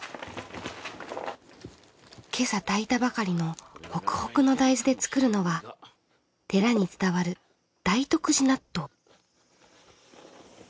今朝炊いたばかりのホクホクの大豆で作るのは寺に伝わる大徳寺納豆。